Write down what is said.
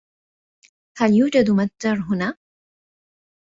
هل يوجد متجر هنا ؟